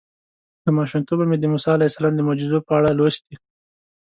له ماشومتوبه مې د موسی علیه السلام د معجزو په اړه لوستي.